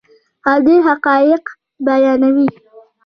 او ډیر حقایق بیانوي.